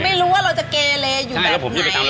ไม่รู้ว่าเราจะเกเลอยู่แบบไหน